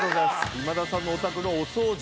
今田さんのお宅のお掃除